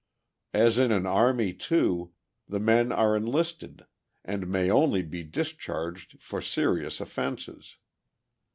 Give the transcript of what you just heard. As in an army, too, the men are enlisted, and may only be discharged for serious offenses.